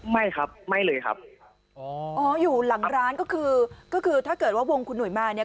ไม่ครับไม่เลยครับอยู่หลังร้านก็คือถ้าเกิดวงคุณหนุ่ยมาเนี่ย